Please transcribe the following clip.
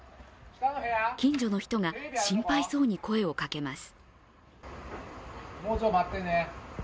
近所の人が心配そうに声をかけます。